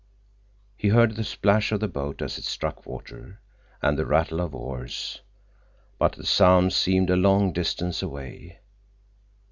He heard the splash of the boat as it struck water, and the rattle of oars, but the sound seemed a long distance away.